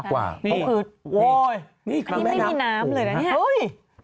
นี่โอ๊ยอันนี้ไม่มีน้ำเลยนะนี่